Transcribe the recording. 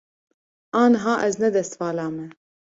Aniha ez ne destvala me.